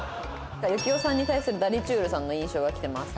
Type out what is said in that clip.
行雄さんに対するダリちゅーるさんの印象が来てます。